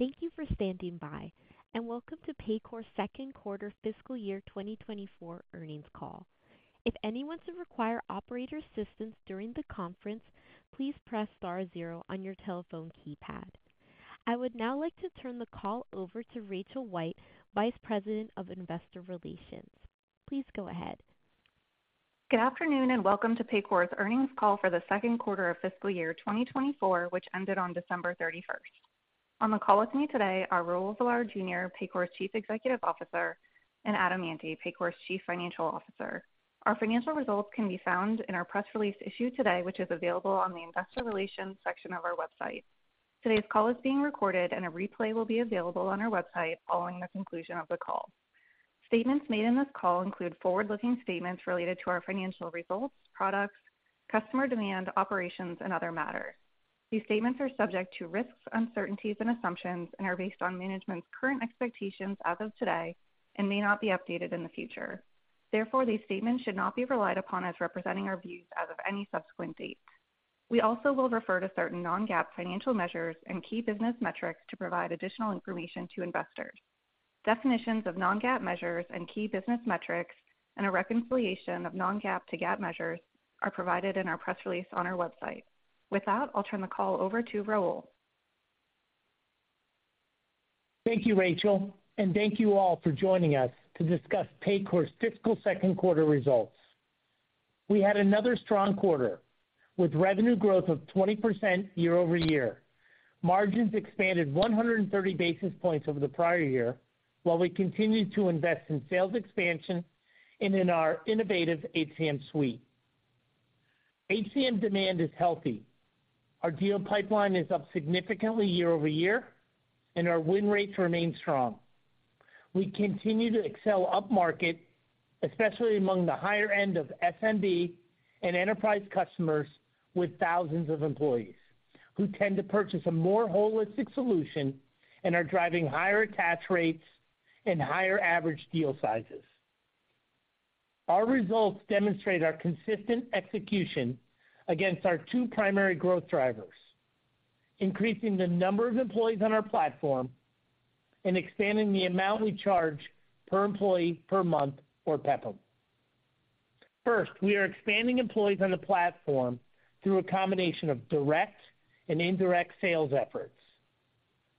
Thank you for standing by, and welcome to Paycor's second quarter fiscal year 2024 earnings call. If anyone should require operator assistance during the conference, please press star zero on your telephone keypad. I would now like to turn the call over to Rachel White, Vice President of Investor Relations. Please go ahead. Good afternoon, and welcome to Paycor's Earnings Call for the Second Quarter of Fiscal Year 2024, which ended on December 31st. On the call with me today are Raul Villar Jr., Paycor's Chief Executive Officer, and Adam Ante, Paycor's Chief Financial Officer. Our financial results can be found in our press release issued today, which is available on the investor relations section of our website. Today's call is being recorded, and a replay will be available on our website following the conclusion of the call. Statements made in this call include forward-looking statements related to our financial results, products, customer demand, operations, and other matters. These statements are subject to risks, uncertainties and assumptions and are based on management's current expectations as of today and may not be updated in the future. Therefore, these statements should not be relied upon as representing our views as of any subsequent date. We also will refer to certain non-GAAP financial measures and key business metrics to provide additional information to investors. Definitions of non-GAAP measures and key business metrics and a reconciliation of non-GAAP to GAAP measures are provided in our press release on our website. With that, I'll turn the call over to Raul. Thank you, Rachel, and thank you all for joining us to discuss Paycor's fiscal second quarter results. We had another strong quarter, with revenue growth of 20% year-over-year. Margins expanded 130 basis points over the prior year, while we continued to invest in sales expansion and in our innovative HCM suite. HCM demand is healthy. Our deal pipeline is up significantly year-over-year, and our win rates remain strong. We continue to excel upmarket, especially among the higher end of SMB and enterprise customers with thousands of employees, who tend to purchase a more holistic solution and are driving higher attach rates and higher average deal sizes. Our results demonstrate our consistent execution against our two primary growth drivers: increasing the number of employees on our platform and expanding the amount we charge per employee per month, or PEPM. First, we are expanding employees on the platform through a combination of direct and indirect sales efforts.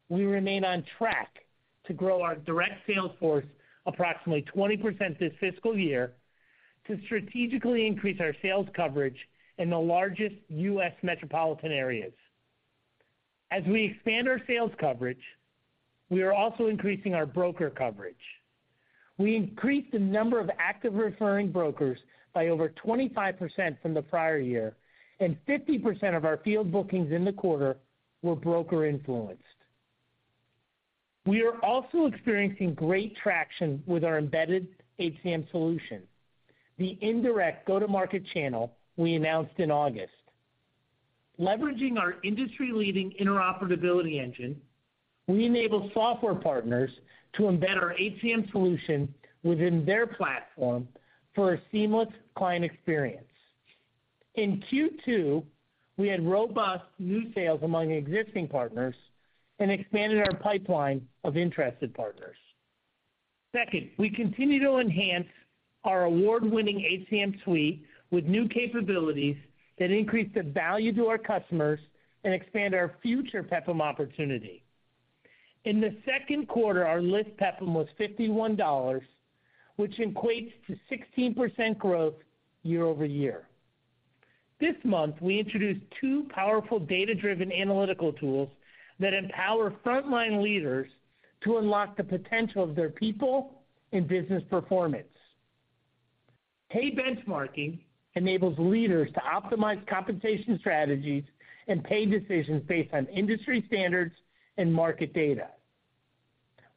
We remain on track to grow our direct sales force approximately 20% this fiscal year to strategically increase our sales coverage in the largest U.S. metropolitan areas. As we expand our sales coverage, we are also increasing our broker coverage. We increased the number of active referring brokers by over 25% from the prior year, and 50% of our field bookings in the quarter were broker-influenced. We are also experiencing great traction with our Embedded HCM solution, the indirect go-to-market channel we announced in August. Leveraging our industry-leading interoperability engine, we enable software partners to embed our HCM solution within their platform for a seamless client experience. In Q2, we had robust new sales among existing partners and expanded our pipeline of interested partners. Second, we continue to enhance our award-winning HCM suite with new capabilities that increase the value to our customers and expand our future PEPM opportunity. In the second quarter, our list PEPM was $51, which equates to 16% growth year-over-year. This month, we introduced two powerful data-driven analytical tools that empower frontline leaders to unlock the potential of their people and business performance. Pay Benchmarking enables leaders to optimize compensation strategies and pay decisions based on industry standards and market data.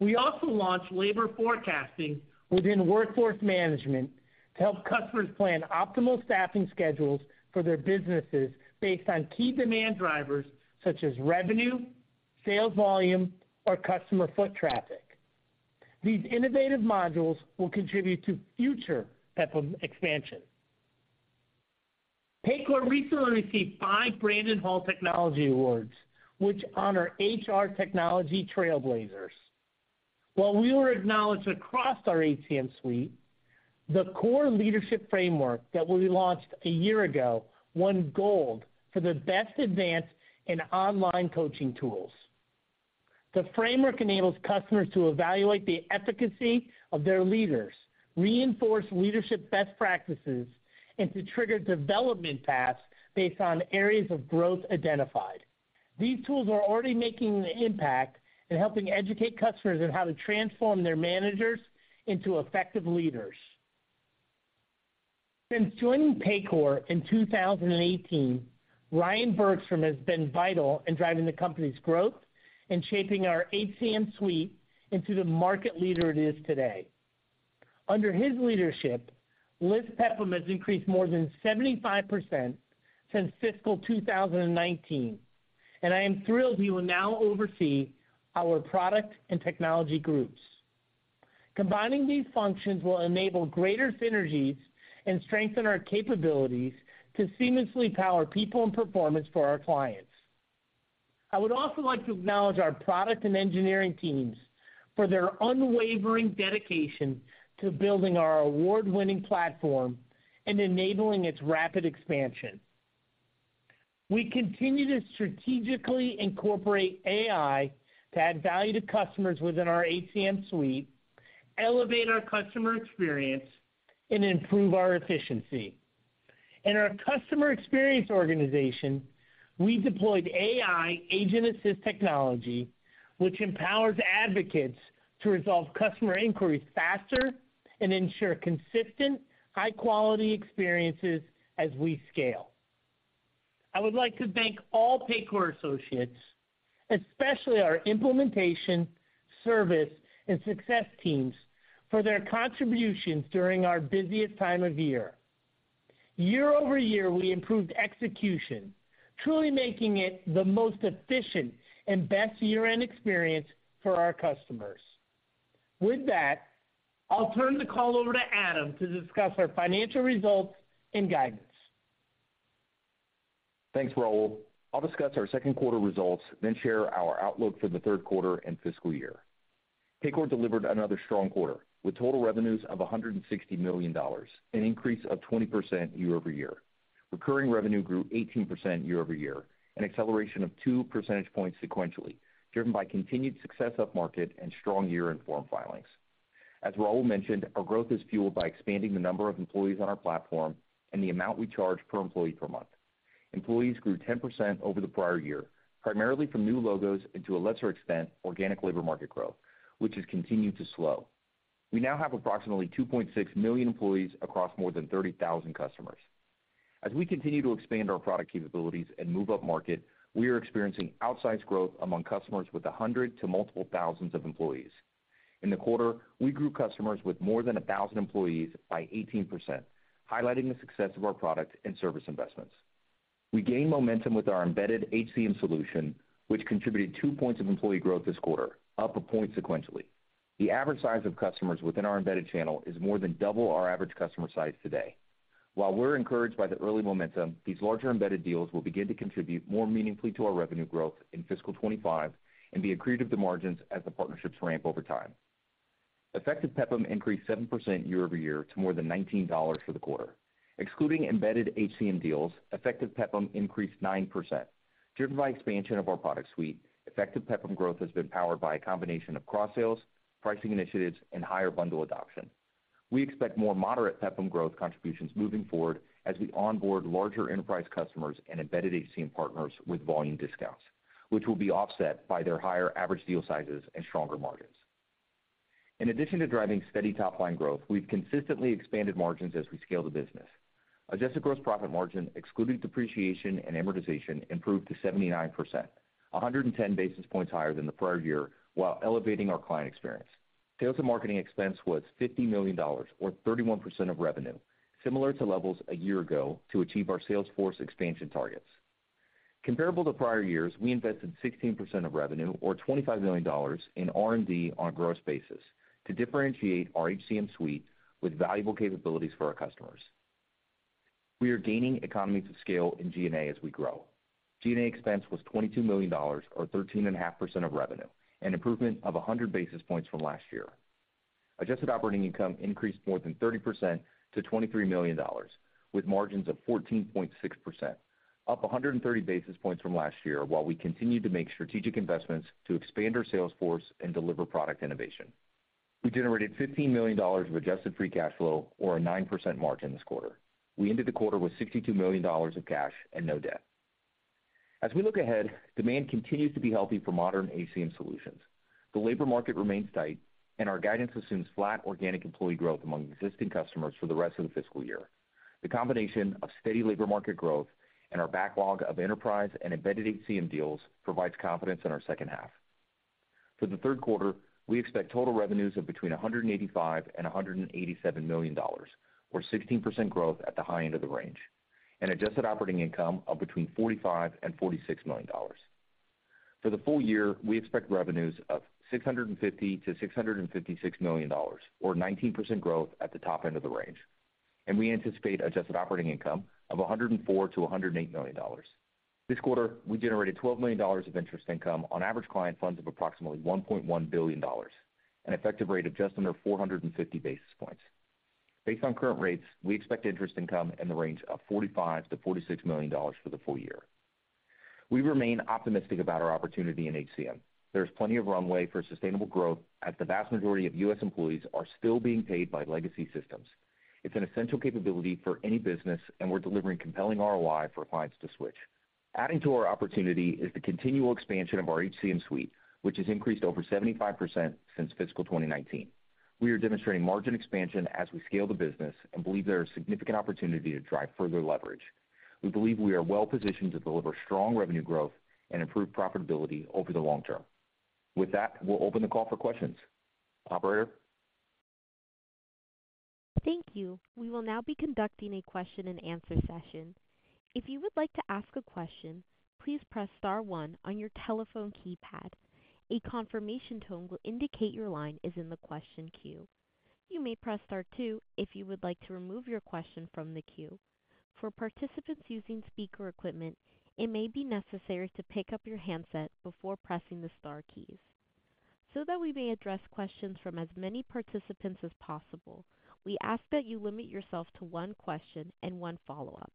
We also launched Labor Forecasting within Workforce Management to help customers plan optimal staffing schedules for their businesses based on key demand drivers, such as revenue, sales volume, or customer foot traffic. These innovative modules will contribute to future PEPM expansion. Paycor recently received five Brandon Hall Technology Awards, which honor HR technology trailblazers. While we were acknowledged across our HCM suite, the COR Leadership Framework that we launched a year ago won gold for the best advance in online coaching tools. The framework enables customers to evaluate the efficacy of their leaders, reinforce leadership best practices, and to trigger development paths based on areas of growth identified. These tools are already making an impact in helping educate customers on how to transform their managers into effective leaders. Since joining Paycor in 2018, Ryan Bergstrom has been vital in driving the company's growth and shaping our HCM suite into the market leader it is today. Under his leadership, our PEPM has increased more than 75% since fiscal 2019, and I am thrilled he will now oversee our product and technology groups. Combining these functions will enable greater synergies and strengthen our capabilities to seamlessly power people and performance for our clients. I would also like to acknowledge our product and engineering teams for their unwavering dedication to building our award-winning platform and enabling its rapid expansion. We continue to strategically incorporate AI to add value to customers within our HCM suite, elevate our customer experience, and improve our efficiency. In our customer experience organization, we deployed AI Agent Assist technology, which empowers advocates to resolve customer inquiries faster and ensure consistent, high-quality experiences as we scale. I would like to thank all Paycor associates, especially our implementation, service, and success teams, for their contributions during our busiest time of year. Year-over-year, we improved execution, truly making it the most efficient and best year-end experience for our customers. With that, I'll turn the call over to Adam to discuss our financial results and guidance. Thanks, Raul. I'll discuss our second quarter results, then share our outlook for the third quarter and fiscal year. Paycor delivered another strong quarter, with total revenues of $160 million, an increase of 20% year-over-year. Recurring revenue grew 18% year-over-year, an acceleration of two percentage points sequentially, driven by continued success upmarket and strong year-end form filings. As Raul mentioned, our growth is fueled by expanding the number of employees on our platform and the amount we charge per employee per month. Employees grew 10% over the prior year, primarily from new logos and, to a lesser extent, organic labor market growth, which has continued to slow. We now have approximately 2.6 million employees across more than 30,000 customers. As we continue to expand our product capabilities and move upmarket, we are experiencing outsized growth among customers with 100 to multiple thousands of employees. In the quarter, we grew customers with more than 1,000 employees by 18%, highlighting the success of our product and service investments. We gained momentum with our Embedded HCM solution, which contributed two points of employee growth this quarter, up one point sequentially. The average size of customers within our embedded channel is more than double our average customer size today. While we're encouraged by the early momentum, these larger embedded deals will begin to contribute more meaningfully to our revenue growth in fiscal 2025 and be accretive to margins as the partnerships ramp over time. Effective PEPM increased 7% year-over-year to more than $19 for the quarter. Excluding Embedded HCM deals, effective PEPM increased 9%. Driven by expansion of our product suite, effective PEPM growth has been powered by a combination of cross-sales, pricing initiatives, and higher bundle adoption. We expect more moderate PEPM growth contributions moving forward as we onboard larger enterprise customers and Embedded HCM partners with volume discounts, which will be offset by their higher average deal sizes and stronger margins. In addition to driving steady top-line growth, we've consistently expanded margins as we scale the business. Adjusted gross profit margin, excluding depreciation and amortization, improved to 79%, 110 basis points higher than the prior year, while elevating our client experience. Sales and marketing expense was $50 million, or 31% of revenue, similar to levels a year ago, to achieve our sales force expansion targets. Comparable to prior years, we invested 16% of revenue, or $25 million, in R&D on a gross basis to differentiate our HCM suite with valuable capabilities for our customers. We are gaining economies of scale in G&A as we grow. G&A expense was $22 million, or 13.5% of revenue, an improvement of 100 basis points from last year. Adjusted operating income increased more than 30% to $23 million, with margins of 14.6%, up 130 basis points from last year, while we continued to make strategic investments to expand our sales force and deliver product innovation. We generated $15 million of adjusted free cash flow, or a 9% margin this quarter. We ended the quarter with $62 million of cash and no debt. As we look ahead, demand continues to be healthy for modern HCM solutions. The labor market remains tight, and our guidance assumes flat organic employee growth among existing customers for the rest of the fiscal year. The combination of steady labor market growth and our backlog of enterprise and Embedded HCM deals provides confidence in our second half. For the third quarter, we expect total revenues of between $185 million and $187 million, or 16% growth at the high end of the range, and adjusted operating income of between $45 million and $46 million. For the full year, we expect revenues of $650 million-$656 million, or 19% growth at the top end of the range, and we anticipate adjusted operating income of $104 million-$108 million. This quarter, we generated $12 million of interest income on average client funds of approximately $1.1 billion, an effective rate of just under 450 basis points. Based on current rates, we expect interest income in the range of $45 million-$46 million for the full year. We remain optimistic about our opportunity in HCM. There's plenty of runway for sustainable growth, as the vast majority of U.S. employees are still being paid by legacy systems. It's an essential capability for any business, and we're delivering compelling ROI for clients to switch. Adding to our opportunity is the continual expansion of our HCM suite, which has increased over 75% since fiscal 2019. We are demonstrating margin expansion as we scale the business and believe there is significant opportunity to drive further leverage. We believe we are well positioned to deliver strong revenue growth and improve profitability over the long term. With that, we'll open the call for questions. Operator? Thank you. We will now be conducting a question-and-answer session. If you would like to ask a question, please press star one on your telephone keypad. A confirmation tone will indicate your line is in the question queue. You may press star two if you would like to remove your question from the queue. For participants using speaker equipment, it may be necessary to pick up your handset before pressing the star keys. So that we may address questions from as many participants as possible, we ask that you limit yourself to one question and one follow-up.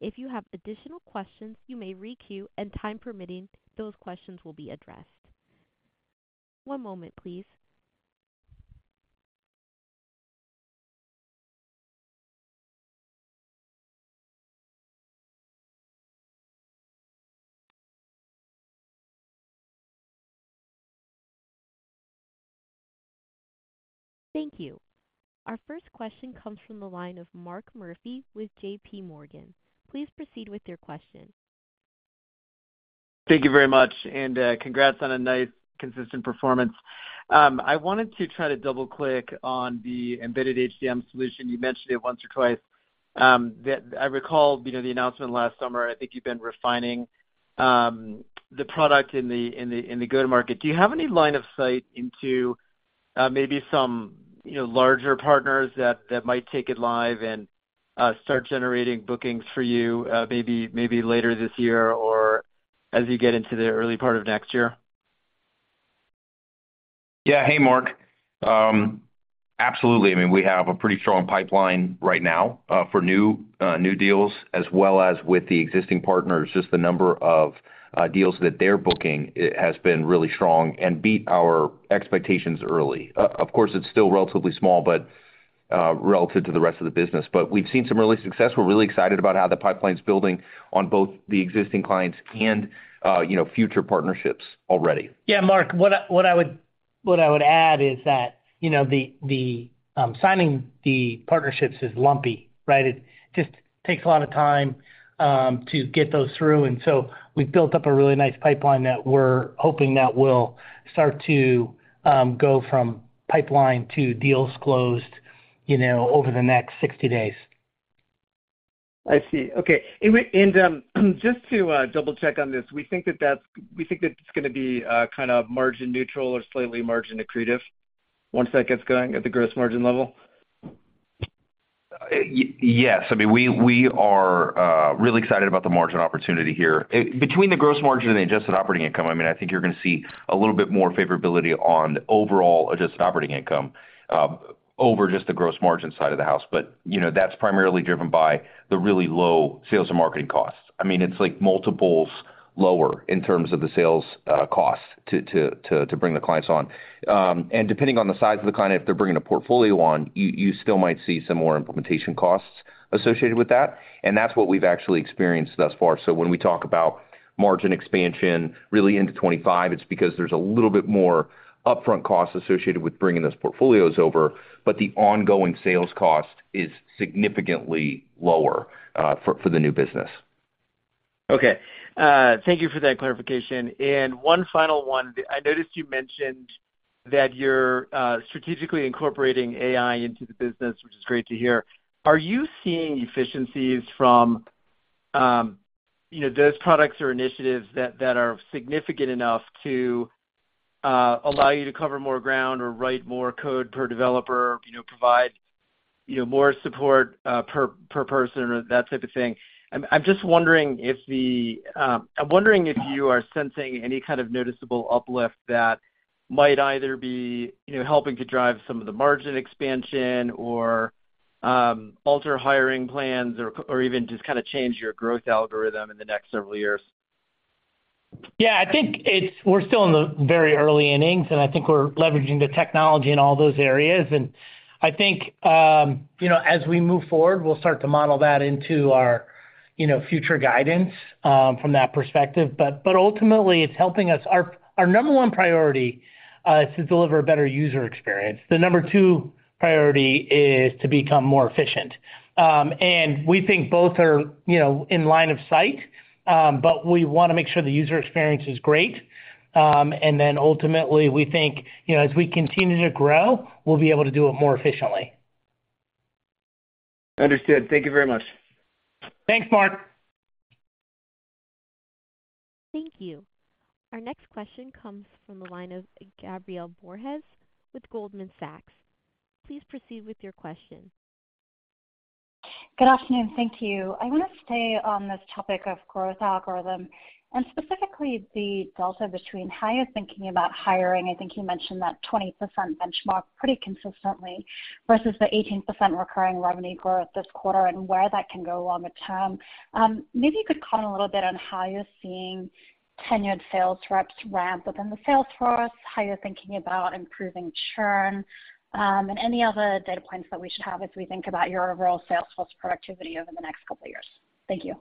If you have additional questions, you may re-queue, and time permitting, those questions will be addressed. One moment, please. Thank you. Our first question comes from the line of Mark Murphy with J.P. Morgan. Please proceed with your question. Thank you very much, and, congrats on a nice, consistent performance. I wanted to try to double-click on the Embedded HCM solution. You mentioned it once or twice. That—I recall, you know, the announcement last summer. I think you've been refining the product in the go-to-market. Do you have any line of sight into, maybe some, you know, larger partners that might take it live and start generating bookings for you, maybe later this year or as you get into the early part of next year? Yeah. Hey, Mark. Absolutely. I mean, we have a pretty strong pipeline right now for new deals as well as with the existing partners. Just the number of deals that they're booking has been really strong and beat our expectations early. Of course, it's still relatively small, but relative to the rest of the business. But we've seen some early success. We're really excited about how the pipeline's building on both the existing clients and you know, future partnerships already. Yeah, Mark, what I would add is that, you know, the signing the partnerships is lumpy, right? It just takes a lot of time to get those through, and so we've built up a really nice pipeline that we're hoping that will start to go from pipeline to deals closed, you know, over the next 60 days. I see. Okay. And, just to double-check on this, we think that it's gonna be kind of margin neutral or slightly margin accretive once that gets going at the gross margin level? Yes. I mean, we are really excited about the margin opportunity here. Between the gross margin and the adjusted operating income, I mean, I think you're gonna see a little bit more favorability on the overall adjusted operating income over just the gross margin side of the house. But, you know, that's primarily driven by the really low sales and marketing costs. I mean, it's like multiples lower in terms of the sales costs to bring the clients on. And depending on the size of the client, if they're bringing a portfolio on, you still might see some more implementation costs associated with that, and that's what we've actually experienced thus far. So when we talk about margin expansion really into 2025, it's because there's a little bit more upfront costs associated with bringing those portfolios over, but the ongoing sales cost is significantly lower for the new business. Okay. Thank you for that clarification. And one final one. I noticed you mentioned that you're strategically incorporating AI into the business, which is great to hear. Are you seeing efficiencies from, you know, those products or initiatives that are significant enough to allow you to cover more ground or write more code per developer, you know, provide, you know, more support per person or that type of thing? I'm just wondering if I'm wondering if you are sensing any kind of noticeable uplift that might either be, you know, helping to drive some of the margin expansion or alter hiring plans or even just kind of change your growth algorithm in the next several years. Yeah, I think it's we're still in the very early innings, and I think we're leveraging the technology in all those areas. And I think, you know, as we move forward, we'll start to model that into our, you know, future guidance, from that perspective. But ultimately, it's helping us. Our number one priority is to deliver a better user experience. The number two priority is to become more efficient. And we think both are, you know, in line of sight, but we want to make sure the user experience is great. And then ultimately, we think, you know, as we continue to grow, we'll be able to do it more efficiently. Understood. Thank you very much. Thanks, Mark. Thank you. Our next question comes from the line of Gabriela Borges with Goldman Sachs. Please proceed with your question. Good afternoon. Thank you. I want to stay on this topic of growth algorithm, and specifically the delta between how you're thinking about hiring, I think you mentioned that 20% benchmark pretty consistently, versus the 18% recurring revenue growth this quarter and where that can go longer term. Maybe you could comment a little bit on how you're seeing tenured sales reps ramp within the sales force, how you're thinking about improving churn, and any other data points that we should have as we think about your overall sales force productivity over the next couple of years. Thank you.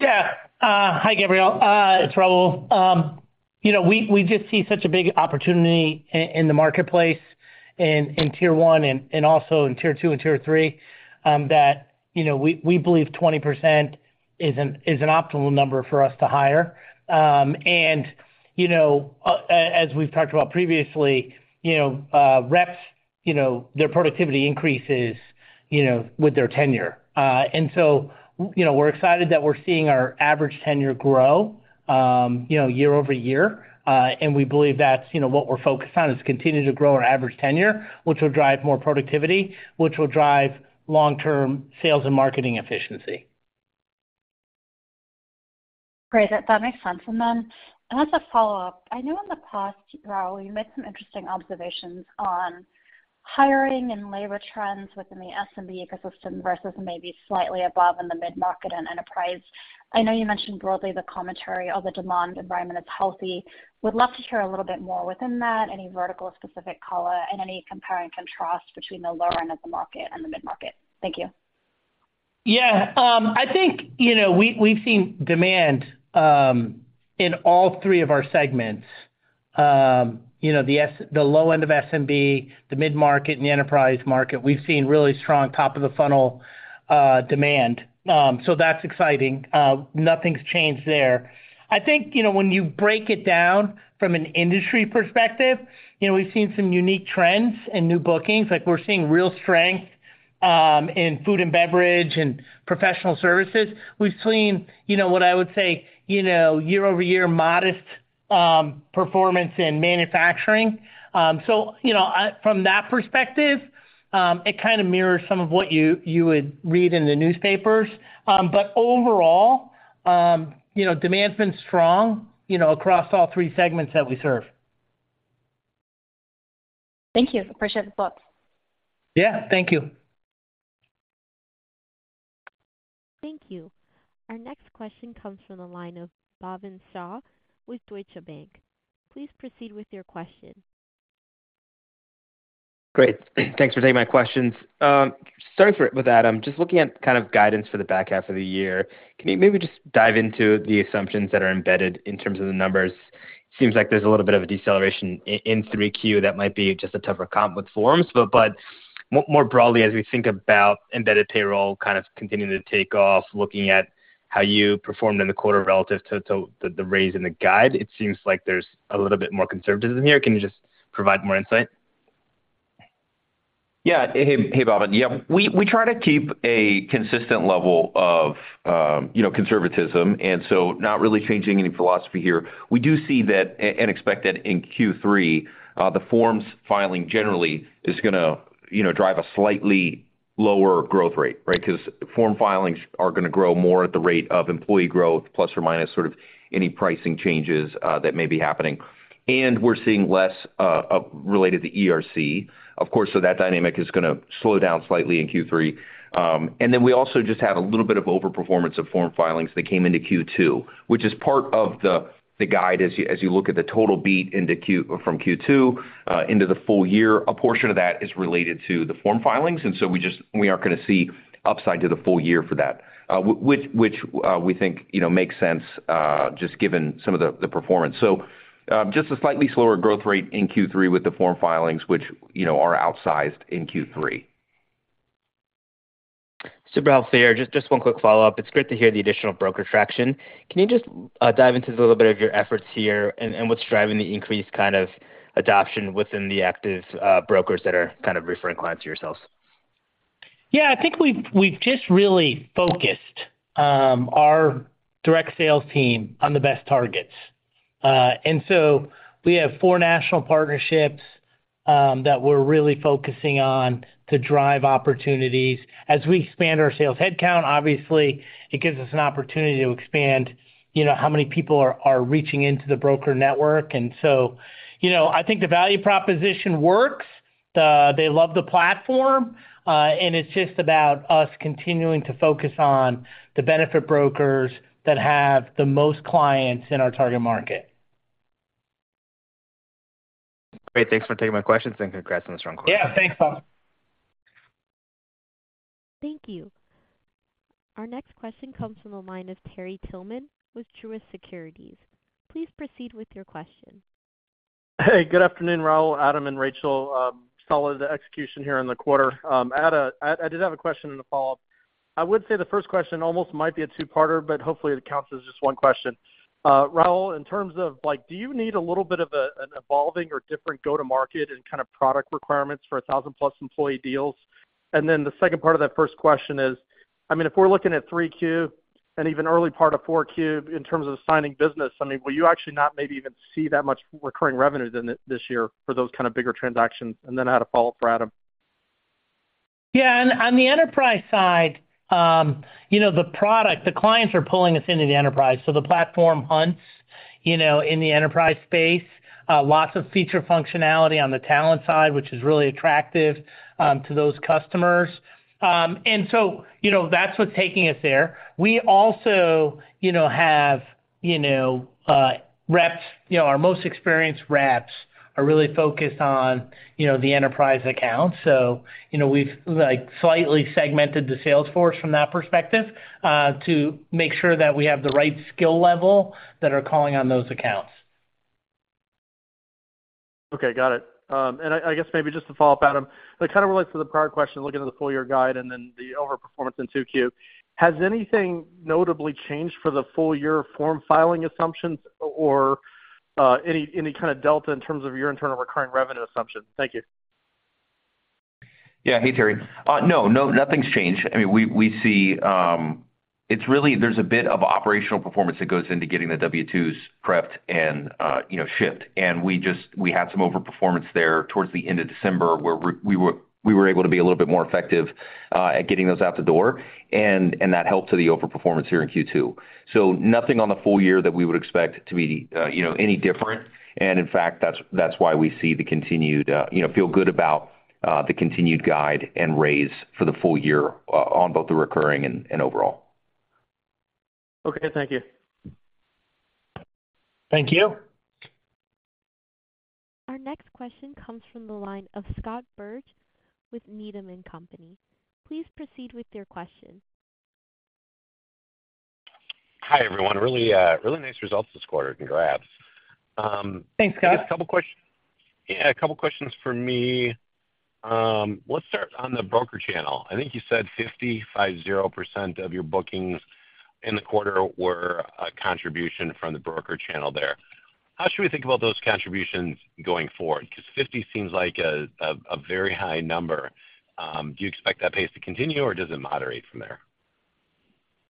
Yeah. Hi, Gabriela, it's Raul. You know, we just see such a big opportunity in the marketplace in Tier one and also in Tier 2 and Tier 3, that you know, we believe 20% is an optimal number for us to hire. And, you know, as we've talked about previously, you know, reps, you know, their productivity increases, you know, with their tenure. And so, you know, we're excited that we're seeing our average tenure grow, you know, year-over-year, and we believe that's, you know, what we're focused on, is continue to grow our average tenure, which will drive more productivity, which will drive long-term sales and marketing efficiency. Great. That makes sense. And then, as a follow-up, I know in the past, Raul, you made some interesting observations on hiring and labor trends within the SMB ecosystem versus maybe slightly above in the mid-market and enterprise. I know you mentioned broadly the commentary of the demand environment is healthy. Would love to hear a little bit more within that, any vertical specific color and any compare and contrast between the lower end of the market and the mid-market. Thank you. Yeah. I think, you know, we, we've seen demand in all three of our segments. You know, the low end of SMB, the mid-market, and the enterprise market, we've seen really strong top-of-the-funnel demand. So that's exciting. Nothing's changed there. I think, you know, when you break it down from an industry perspective, you know, we've seen some unique trends and new bookings, like we're seeing real strength in food and beverage and professional services. We've seen, you know, what I would say, you know, year-over-year, modest performance in manufacturing. So, you know, from that perspective, it kind of mirrors some of what you would read in the newspapers. But overall, you know, demand's been strong, you know, across all three segments that we serve. Thank you. Appreciate the thoughts. Yeah, thank you. Thank you. Our next question comes from the line of Bhavin Shah with Deutsche Bank. Please proceed with your question. Great. Thanks for taking my questions. Starting with Adam, just looking at kind of guidance for the back half of the year, can you maybe just dive into the assumptions that are embedded in terms of the numbers? Seems like there's a little bit of a deceleration in 3Q that might be just a tougher comp with forms, but more broadly, as we think about embedded payroll kind of continuing to take off, looking at how you performed in the quarter relative to the raise in the guide, it seems like there's a little bit more conservatism here. Can you just provide more insight? Yeah. Hey, hey, Bhavin. Yeah, we try to keep a consistent level of, you know, conservatism, and so not really changing any philosophy here. We do see that and expect that in Q3, the forms filing generally is gonna, you know, drive a slightly lower growth rate, right? Because form filings are gonna grow more at the rate of employee growth, plus or minus, sort of any pricing changes that may be happening. And we're seeing less related to ERC, of course, so that dynamic is gonna slow down slightly in Q3. And then we also just had a little bit of overperformance of form filings that came into Q2, which is part of the guide as you look at the total beat into Q... From Q2 into the full year. A portion of that is related to the form filings, and so we are gonna see upside to the full year for that, which, we think, you know, makes sense, just given some of the performance. So, just a slightly slower growth rate in Q3 with the form filings, which, you know, are outsized in Q3. Super helpful there. Just, just one quick follow-up. It's great to hear the additional broker traction. Can you just dive into a little bit of your efforts here and what's driving the increased kind of adoption within the active brokers that are kind of referring clients to yourselves? Yeah, I think we've just really focused our direct sales team on the best targets. We have four national partnerships that we're really focusing on to drive opportunities. As we expand our sales headcount, obviously, it gives us an opportunity to expand, you know, how many people are reaching into the broker network. You know, I think the value proposition works. They love the platform, and it's just about us continuing to focus on the benefit brokers that have the most clients in our target market. Great. Thanks for taking my questions, and congrats on the strong quarter. Yeah, thanks, Bhavin. Thank you. Our next question comes from the line of Terry Tillman with Truist Securities. Please proceed with your question. Hey, good afternoon, Raul, Adam, and Rachel. Solid execution here in the quarter. I did have a question and a follow-up. I would say the first question almost might be a two-parter, but hopefully it counts as just one question. Raul, in terms of, like, do you need a little bit of a, an evolving or different go-to-market and kind of product requirements for 1,000-plus employee deals? And then the second part of that first question is, I mean, if we're looking at 3Q and even early part of 4Q in terms of signing business, I mean, will you actually not maybe even see that much recurring revenue than this year for those kind of bigger transactions? And then I had a follow-up for Adam. Yeah. On, on the enterprise side, you know, the product, the clients are pulling us into the enterprise, so the platform hunts, you know, in the enterprise space. Lots of feature functionality on the talent side, which is really attractive to those customers. And so, you know, that's what's taking us there. We also, you know, have, you know, reps. You know, our most experienced reps are really focused on, you know, the enterprise accounts. So, you know, we've, like, slightly segmented the sales force from that perspective, to make sure that we have the right skill level that are calling on those accounts. Okay, got it. And I guess maybe just to follow up, Adam, it kind of relates to the prior question, looking at the full year guide and then the overperformance in 2Q. Has anything notably changed for the full year form filing assumptions or any kind of delta in terms of your internal recurring revenue assumption? Thank you. Yeah. Hey, Terry. No, no, nothing's changed. I mean, we see it's really there's a bit of operational performance that goes into getting the W-2s prepped and, you know, shipped, and we had some overperformance there towards the end of December, where we were able to be a little bit more effective at getting those out the door, and that helped to the overperformance here in Q2. So nothing on the full year that we would expect to be, you know, any different. And in fact, that's why we see the continued, you know, feel good about the continued guide and raise for the full year on both the recurring and overall. Okay. Thank you. Thank you. Our next question comes from the line of Scott Berg with Needham and Company. Please proceed with your question. Hi, everyone. Really, really nice results this quarter. Congrats. Thanks, Scott. Just a couple questions. Yeah, a couple questions for me. Let's start on the broker channel. I think you said 550% of your bookings in the quarter were a contribution from the broker channel there. How should we think about those contributions going forward? 'Cause 50 seems like a very high number. Do you expect that pace to continue, or does it moderate from there?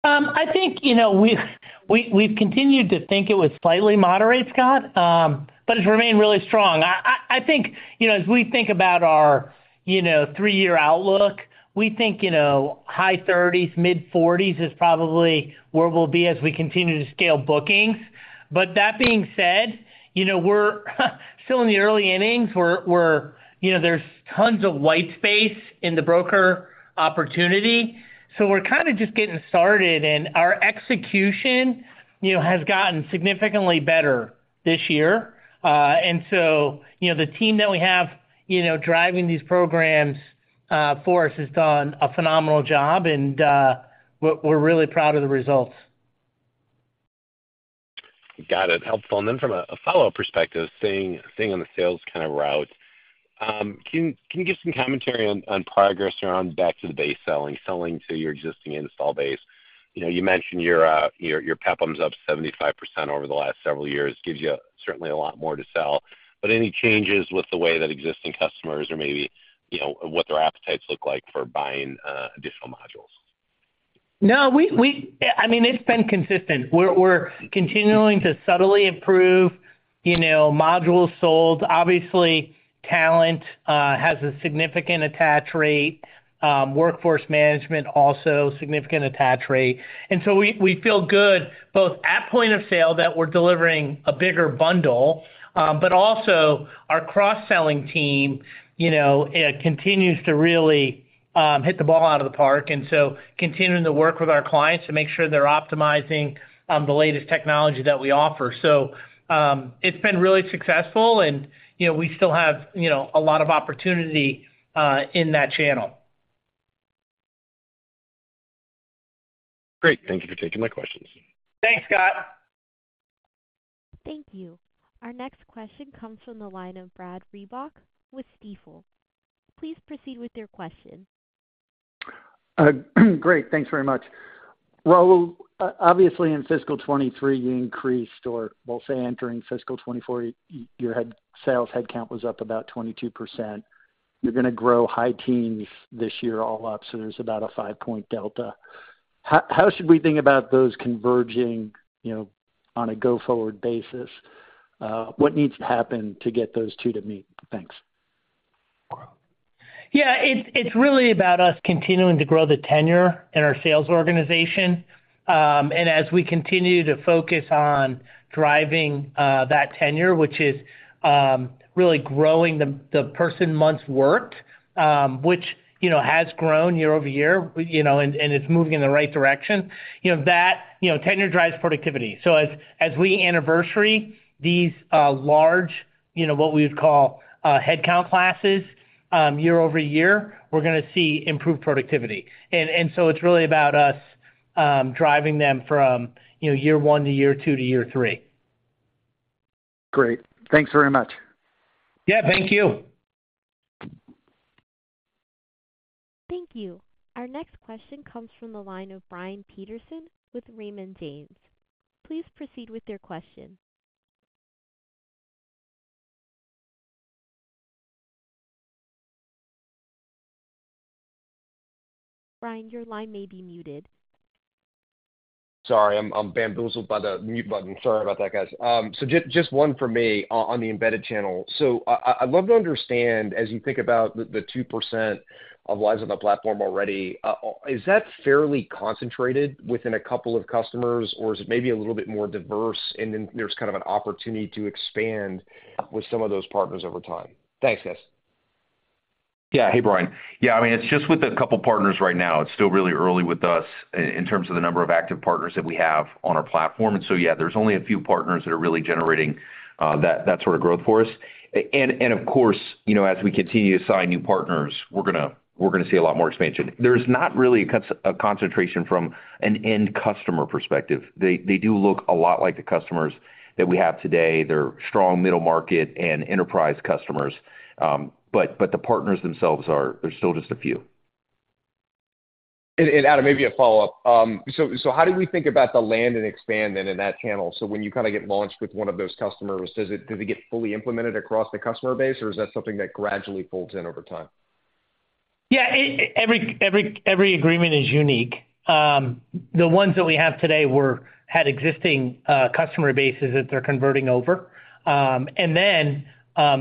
I think, you know, we've continued to think it would slightly moderate, Scott, but it's remained really strong. I think, you know, as we think about our, you know, three-year outlook, we think, you know, high thirties, mid-forties is probably where we'll be as we continue to scale bookings. But that being said, you know, we're still in the early innings. You know, there's tons of white space in the broker opportunity, so we're kind of just getting started, and our execution, you know, has gotten significantly better this year. And so, you know, the team that we have, you know, driving these programs for us has done a phenomenal job, and we're really proud of the results. Got it. Helpful. And then from a follow-up perspective, staying on the sales kind of route, can you give some commentary on progress around back-to-the-base selling, selling to your existing install base? You know, you mentioned your PEPM's up 75% over the last several years. Gives you certainly a lot more to sell, but any changes with the way that existing customers or maybe, you know, what their appetites look like for buying additional modules? No, I mean, it's been consistent. We're continuing to subtly improve, you know, modules sold. Obviously, Talent has a significant attach rate, Workforce Management, also significant attach rate. And so we feel good both at point of sale, that we're delivering a bigger bundle, but also our cross-selling team, you know, continues to really hit the ball out of the park, and so continuing to work with our clients to make sure they're optimizing the latest technology that we offer. So, it's been really successful and, you know, we still have, you know, a lot of opportunity in that channel. Great. Thank you for taking my questions. Thanks, Scott. Thank you. Our next question comes from the line of Brad Reback with Stifel. Please proceed with your question. Great. Thanks very much. Well, obviously, in fiscal 2023, you increased, or well, say, entering fiscal 2024, your sales headcount was up about 22%. You're gonna grow high teens this year, all up, so there's about a five-point delta. How should we think about those converging, you know, on a go-forward basis? What needs to happen to get those two to meet? Thanks. Yeah, it's really about us continuing to grow the tenure in our sales organization. And as we continue to focus on driving that tenure, which is really growing the person months worked, which, you know, has grown year-over-year, you know, and it's moving in the right direction. You know, that tenure drives productivity. So as we anniversary these large, you know, what we would call headcount classes year-over-year, we're gonna see improved productivity. And so it's really about us driving them from, you know, year one to year two to year three. Great. Thanks very much. Yeah, thank you. Thank you. Our next question comes from the line of Brian Peterson with Raymond James. Please proceed with your question. Brian, your line may be muted. Sorry, I'm bamboozled by the mute button. Sorry about that, guys. So just one for me on the embedded channel. So I'd love to understand, as you think about the 2% of lives on the platform already, is that fairly concentrated within a couple of customers, or is it maybe a little bit more diverse, and then there's kind of an opportunity to expand with some of those partners over time? Thanks, guys. Yeah. Hey, Brian. Yeah, I mean, it's just with a couple partners right now. It's still really early with us in terms of the number of active partners that we have on our platform. And so, yeah, there's only a few partners that are really generating, that, that sort of growth for us. And, and of course, you know, as we continue to sign new partners, we're gonna, we're gonna see a lot more expansion. There's not really a concentration from an end customer perspective. They, they do look a lot like the customers that we have today. They're strong middle market and enterprise customers, but, but the partners themselves are... There's still just a few.... And, and Adam, maybe a follow-up. So, so how do we think about the land and expand then in that channel? When you kind of get launched with one of those customers, does it get fully implemented across the customer base, or is that something that gradually folds in over time? Yeah, every agreement is unique. The ones that we have today had existing customer bases that they're converting over, and then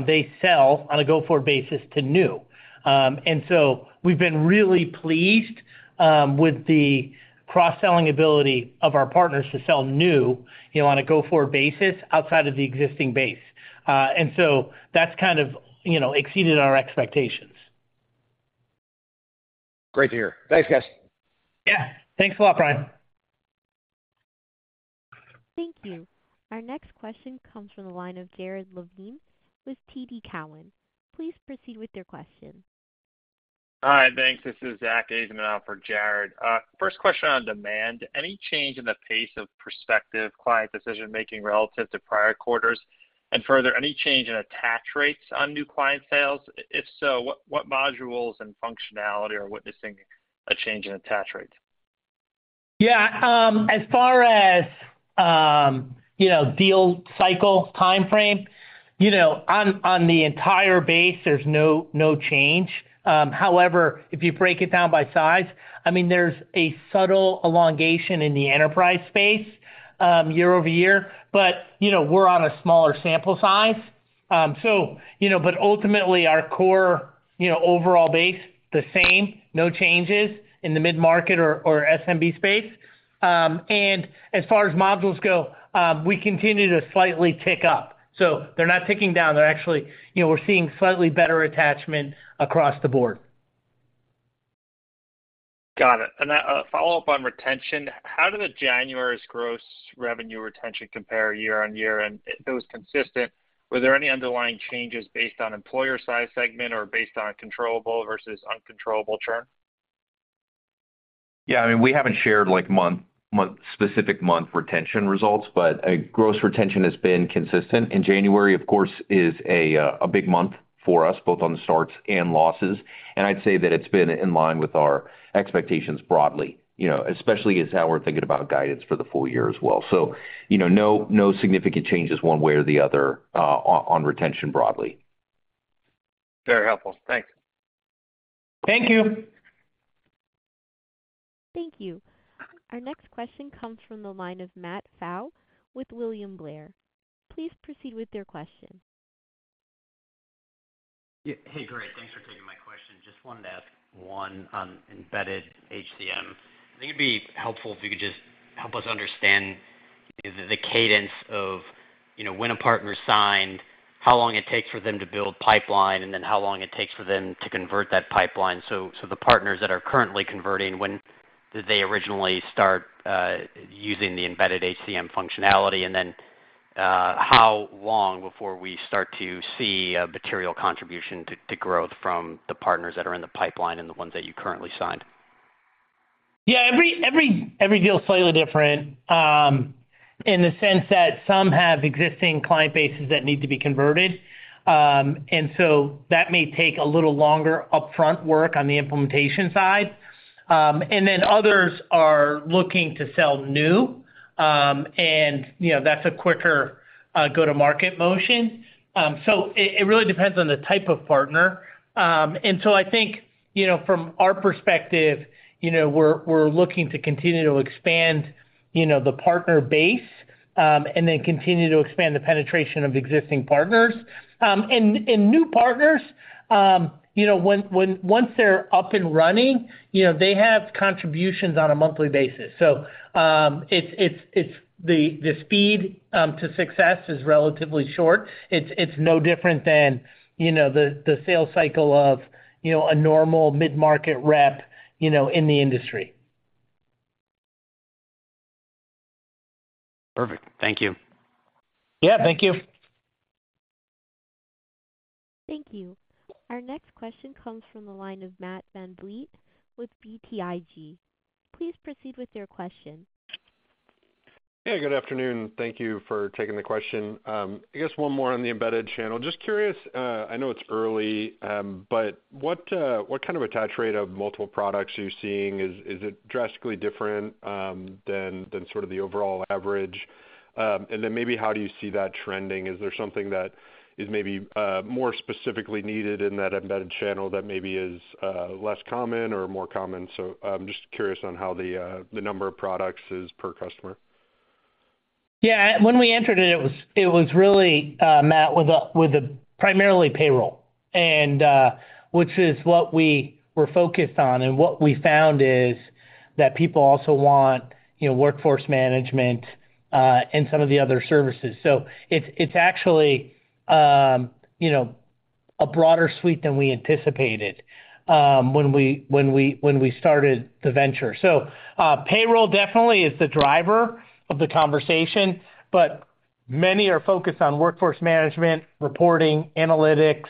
they sell on a go-forward basis to new. And so we've been really pleased with the cross-selling ability of our partners to sell new, you know, on a go-forward basis outside of the existing base. And so that's kind of, you know, exceeded our expectations. Great to hear. Thanks, guys. Yeah. Thanks a lot, Brian. Thank you. Our next question comes from the line of Jared Levine with TD Cowen. Please proceed with your question. Hi, thanks. This is Zack Ajzenman on for Jared. First question on demand. Any change in the pace of prospective client decision-making relative to prior quarters? And further, any change in attach rates on new client sales? If so, what modules and functionality are witnessing a change in attach rates? Yeah, as far as, you know, deal cycle timeframe, you know, on, on the entire base, there's no, no change. However, if you break it down by size, I mean, there's a subtle elongation in the enterprise space, year-over-year, but, you know, we're on a smaller sample size. So, you know, but ultimately our core, you know, overall base, the same, no changes in the mid-market or, or SMB space. And as far as modules go, we continue to slightly tick up, so they're not ticking down. They're actually, you know, we're seeing slightly better attachment across the board. Got it. And then, a follow-up on retention. How did January's Gross Revenue Retention compare year-on-year? And if it was consistent, were there any underlying changes based on employer size segment or based on controllable versus uncontrollable churn? Yeah, I mean, we haven't shared, like, month, month specific month retention results, but gross retention has been consistent. And January, of course, is a big month for us, both on the starts and losses. And I'd say that it's been in line with our expectations broadly, you know, especially as how we're thinking about guidance for the full year as well. So, you know, no significant changes one way or the other on retention broadly. Very helpful. Thanks. Thank you. Thank you. Our next question comes from the line of Matt Pfau with William Blair. Please proceed with your question. Yeah. Hey, great. Thanks for taking my question. Just wanted to ask one on Embedded HCM. I think it'd be helpful if you could just help us understand the, the cadence of, you know, when a partner signed, how long it takes for them to build pipeline, and then how long it takes for them to convert that pipeline. So, so the partners that are currently converting, when did they originally start using the Embedded HCM functionality? And then, how long before we start to see a material contribution to, to growth from the partners that are in the pipeline and the ones that you currently signed? Yeah, every deal is slightly different in the sense that some have existing client bases that need to be converted. And so that may take a little longer upfront work on the implementation side. And then others are looking to sell new, and you know, that's a quicker go-to-market motion. So it really depends on the type of partner. And so I think, you know, from our perspective, you know, we're looking to continue to expand the partner base, and then continue to expand the penetration of existing partners. And new partners, you know, when once they're up and running, you know, they have contributions on a monthly basis. So it's the speed to success is relatively short. It's no different than, you know, the sales cycle of, you know, a normal mid-market rep, you know, in the industry. Perfect. Thank you. Yeah, thank you. Thank you. Our next question comes from the line of Matt VanVliet with BTIG. Please proceed with your question. Hey, good afternoon. Thank you for taking the question. I guess one more on the embedded channel. Just curious, I know it's early, but what, what kind of attach rate of multiple products are you seeing? Is it drastically different, than sort of the overall average? And then maybe how do you see that trending? Is there something that is maybe, more specifically needed in that embedded channel that maybe is, less common or more common? So I'm just curious on how the, the number of products is per customer. Yeah, when we entered it, it was, it was really, Matt, with primarily payroll, and which is what we were focused on. And what we found is that people also want, you know, Workforce Management, and some of the other services. So it's, it's actually, you know, a broader suite than we anticipated, when we, when we, when we started the venture. So, payroll definitely is the driver of the conversation, but many are focused on Workforce Management, reporting, analytics,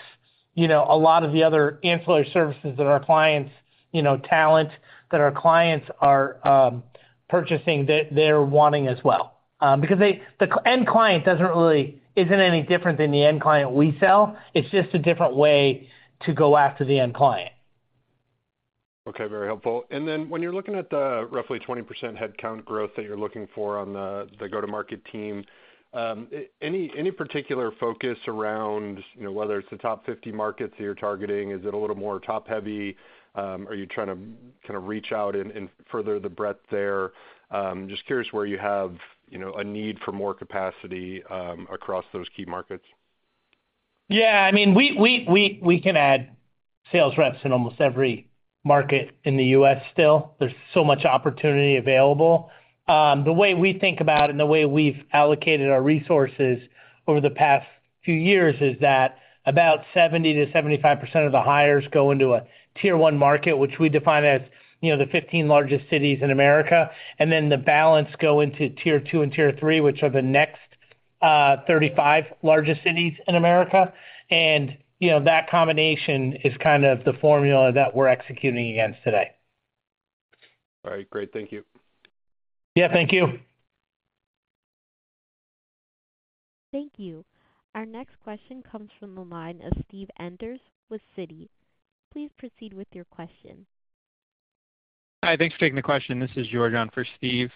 you know, a lot of the other ancillary services that our clients, you know, Talent that our clients are purchasing, that they're wanting as well. Because they, the end client doesn't really, isn't any different than the end client we sell. It's just a different way to go after the end client. Okay, very helpful. And then when you're looking at the roughly 20% headcount growth that you're looking for on the, the go-to-market team, any particular focus around, you know, whether it's the top 50 markets that you're targeting? Is it a little more top-heavy, are you trying to kind of reach out and further the breadth there? Just curious where you have, you know, a need for more capacity across those key markets. Yeah, I mean, we can add sales reps in almost every market in the U.S. sell. There's so much opportunity available. The way we think about it, and the way we've allocated our resources over the past few years, is that about 70%-75% of the hires go into a Tier 1 market, which we define as, you know, the 15 largest cities in America, and then the balance go into Tier 2 and Tier 3, which are the next 35 largest cities in America. And, you know, that combination is kind of the formula that we're executing against today. All right, great. Thank you. Yeah, thank you. Thank you. Our next question comes from the line of Steve Enders with Citi. Please proceed with your question. Hi, thanks for taking the question. This is Jordan for Steve.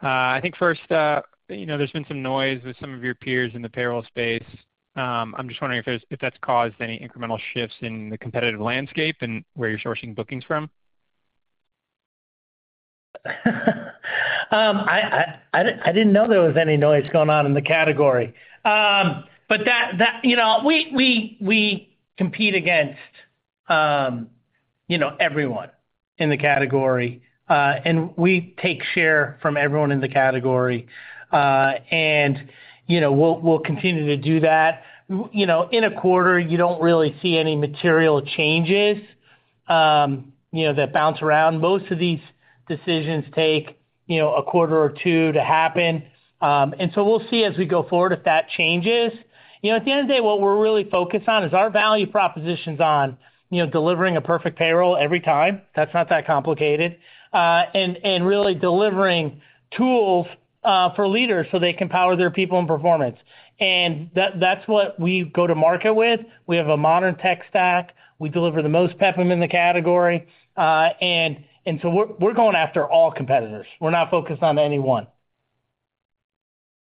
I think first, you know, there's been some noise with some of your peers in the payroll space. I'm just wondering if that's caused any incremental shifts in the competitive landscape and where you're sourcing bookings from? I didn't know there was any noise going on in the category. But that, you know, we compete against, you know, everyone in the category, and we take share from everyone in the category. And, you know, we'll continue to do that. You know, in a quarter, you don't really see any material changes, you know, that bounce around. Most of these decisions take, you know, a quarter two to happen. And so we'll see as we go forward, if that changes. You know, at the end of the day, what we're really focused on is our value propositions on, you know, delivering a perfect payroll every time. That's not that complicated. And really delivering tools for leaders so they can power their people and performance. That's what we go to market with. We have a modern tech stack. We deliver the most PEPM in the category. And so we're going after all competitors. We're not focused on any one.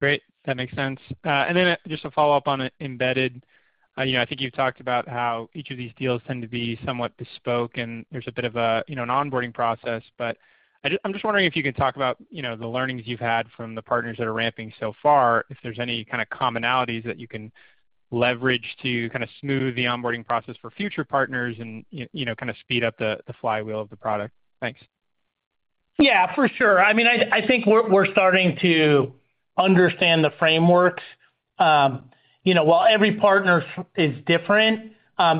Great, that makes sense. And then just to follow up on embedded, you know, I think you've talked about how each of these deals tend to be somewhat bespoke, and there's a bit of a, you know, an onboarding process. But I'm just wondering if you could talk about, you know, the learnings you've had from the partners that are ramping so far, if there's any kind of commonalities that you can leverage to kind of smooth the onboarding process for future partners and, you, you know, kind of speed up the flywheel of the product. Thanks. Yeah, for sure. I mean, I, I think we're, we're starting to understand the frameworks. You know, while every partner is different,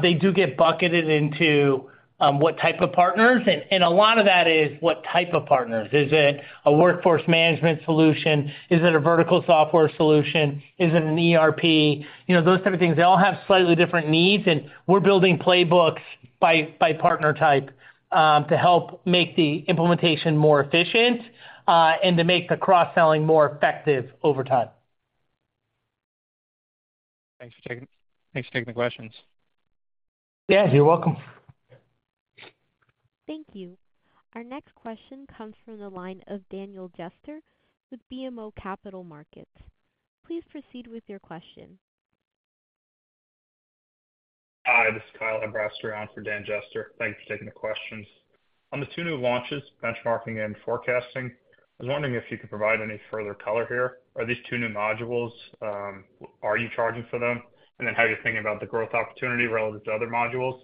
they do get bucketed into what type of partners, and, and a lot of that is what type of partners. Is it a workforce management solution? Is it a vertical software solution? Is it an ERP? You know, those type of things. They all have slightly different needs, and we're building playbooks by partner type to help make the implementation more efficient, and to make the cross-selling more effective over time. Thanks for taking the questions. Yeah, you're welcome. Thank you. Our next question comes from the line of Daniel Jester with BMO Capital Markets. Please proceed with your question. Hi, this is Kyle Aberasturi on for Daniel Jester. Thanks for taking the questions. On the two new launches, benchmarking and forecasting, I was wondering if you could provide any further color here. Are these two new modules, are you charging for them? And then how you're thinking about the growth opportunity relative to other modules.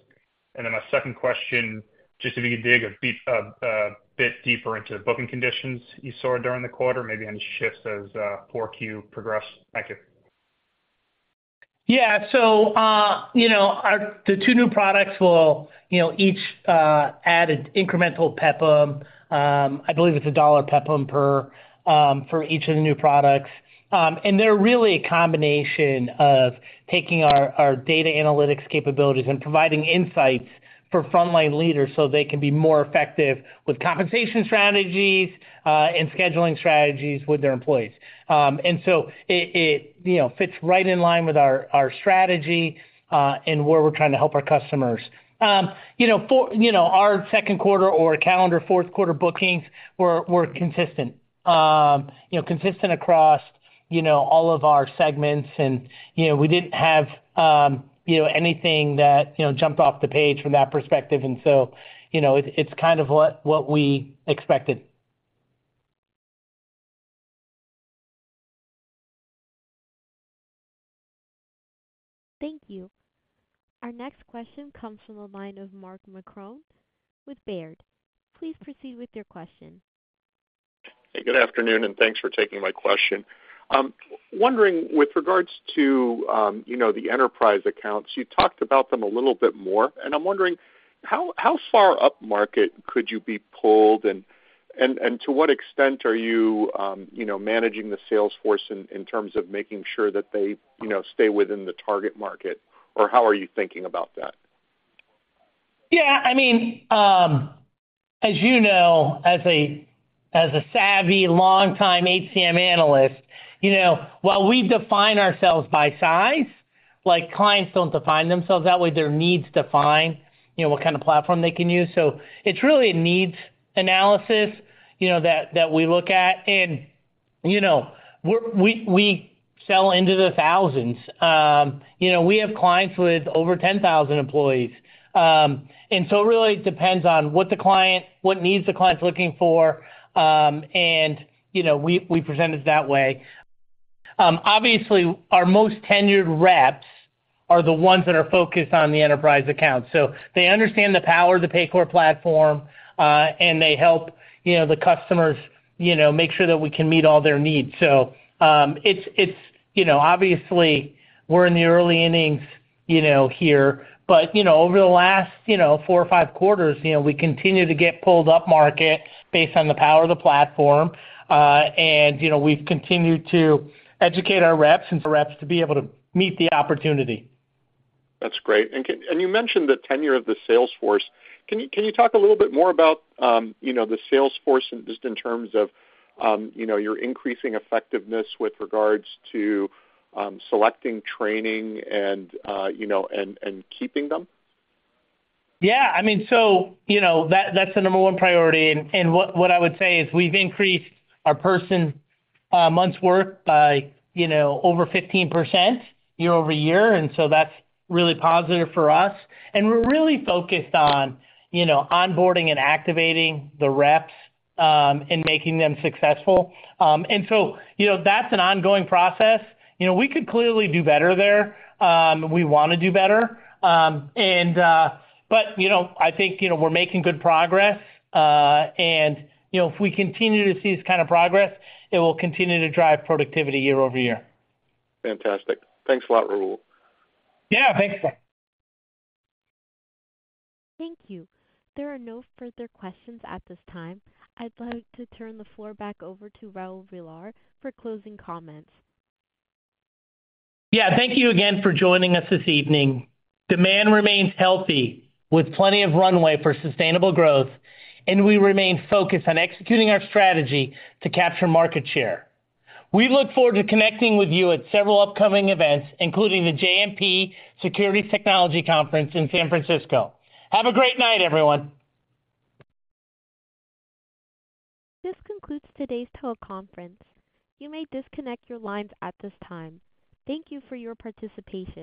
And then my second question, just if you could dig a bit deeper into the booking conditions you saw during the quarter, maybe any shifts as 4Q progressed. Thank you. Yeah. So, you know, the two new products will, you know, each add an incremental PEPM. I believe it's $1 PEPM per for each of the new products. And they're really a combination of taking our data analytics capabilities and providing insights for frontline leaders, so they can be more effective with compensation strategies and scheduling strategies with their employees. And so it, you know, fits right in line with our strategy and where we're trying to help our customers. You know, for our second quarter or calendar fourth quarter bookings were consistent. You know, consistent across all of our segments and, you know, we didn't have you know, anything that, you know, jumped off the page from that perspective. You know, it's kind of what we expected. Thank you. Our next question comes from the line of Mark Marcon with Baird. Please proceed with your question. Hey, good afternoon, and thanks for taking my question. Wondering with regards to, you know, the enterprise accounts, you talked about them a little bit more, and I'm wondering: how, how far upmarket could you be pulled? And to what extent are you, you know, managing the sales force in terms of making sure that they, you know, stay within the target market, or how are you thinking about that? Yeah, I mean, as a savvy, long-time HCM analyst, you know, while we define ourselves by size, like, clients don't define themselves that way. Their needs define, you know, what kind of platform they can use. So it's really a needs analysis, you know, that we look at. And, you know, we sell into the thousands. You know, we have clients with over 10,000 employees. And so it really depends on what the client what needs the client's looking for, and, you know, we present it that way. Obviously, our most tenured reps are the ones that are focused on the enterprise accounts. So they understand the power of the Paycor platform, and they help, you know, the customers, you know, make sure that we can meet all their needs. So, it's, it's... You know, obviously, we're in the early innings, you know, here, but, you know, over the last, you know, four or five quarters, you know, we continue to get pulled up market based on the power of the platform. And, you know, we've continued to educate our reps, and for reps to be able to meet the opportunity. That's great. And you mentioned the tenure of the sales force. Can you talk a little bit more about, you know, the sales force, just in terms of, you know, your increasing effectiveness with regards to selecting, training, and, you know, keeping them? Yeah, I mean, so, you know, that, that's the number one priority. And what I would say is we've increased our person months work by, you know, over 15% year-over-year, and so that's really positive for us. And we're really focused on, you know, onboarding and activating the reps, and making them successful. And so, you know, that's an ongoing process. You know, we could clearly do better there. We wanna do better. And, but, you know, I think, you know, we're making good progress. And, you know, if we continue to see this kind of progress, it will continue to drive productivity year-over-year. Fantastic. Thanks a lot, Raul. Yeah, thanks, Scott. Thank you. There are no further questions at this time. I'd like to turn the floor back over to Raul Villar for closing comments. Yeah, thank you again for joining us this evening. Demand remains healthy, with plenty of runway for sustainable growth, and we remain focused on executing our strategy to capture market share. We look forward to connecting with you at several upcoming events, including the JMP Securities Technology Conference in San Francisco. Have a great night, everyone. This concludes today's teleconference. You may disconnect your lines at this time. Thank you for your participation.